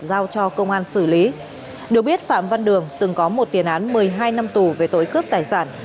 giao cho công an xử lý được biết phạm văn đường từng có một tiền án một mươi hai năm tù về tội cướp tài sản